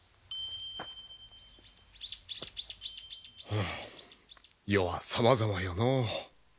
はあ世はさまざまよのう。